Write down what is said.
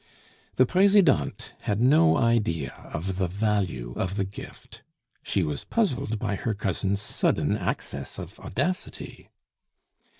The Presidente had no idea of the value of the gift. She was puzzled by her cousin's sudden access of audacity.